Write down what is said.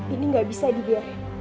ini gak bisa dibiarkan